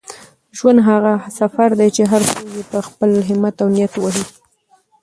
ژوند هغه سفر دی چي هر څوک یې په خپل همت او نیت وهي.